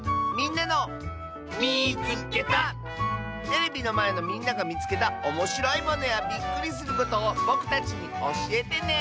テレビのまえのみんながみつけたおもしろいものやびっくりすることをぼくたちにおしえてね！